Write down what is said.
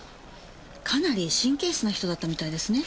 かなり神経質な人だったみたいですね。